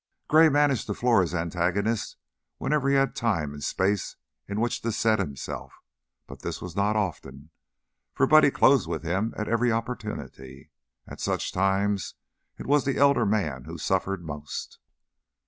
Gray managed to floor his antagonist whenever he had time and space in which to set himself, but this was not often, for Buddy closed with him at every opportunity. At such times it was the elder man who suffered most.